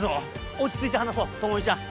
落ち着いて話そう朋美ちゃん。